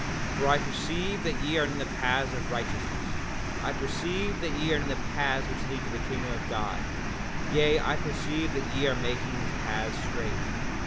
7:19 For I perceive that ye are in the paths of righteousness; I perceive that ye are in the path which leads to the kingdom of God; yea, I perceive that ye are making his paths straight.